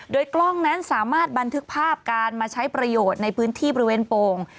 โดยกล้องนั้นสามารถบันทึกภาพการมาใช้ประโยชน์ในพื้นที่บริเวณโป่ง